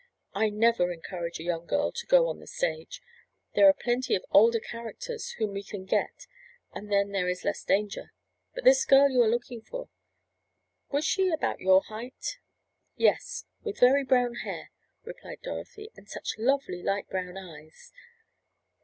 I never encourage a young girl to go on the stage. There are plenty of older characters whom we can get and then there is less danger. But this girl you are looking for—was she about your height?" "Yes, with very brown hair," replied Dorothy. "And such lovely light brown eyes."